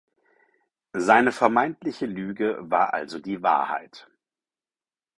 Seine vermeintliche Lüge war also die Wahrheit.